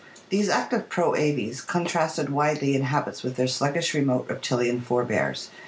"These active pro Aves contrasted widely in habits with their sluggish remote reptilian forebears.